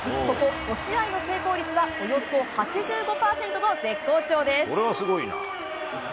ここ５試合の成功率はおよそ８５％と絶好調です。